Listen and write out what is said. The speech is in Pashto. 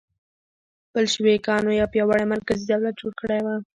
بلشویکانو یو پیاوړی مرکزي دولت جوړ کړی و.